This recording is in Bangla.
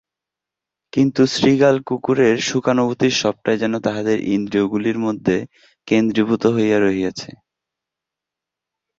কিন্তু শৃগাল-কুকুরের সুখানুভূতির সবটাই যেন তাহাদের ইন্দ্রিয়গুলির মধ্যে কেন্দ্রীভূত হইয়া রহিয়াছে।